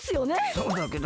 そうだけど？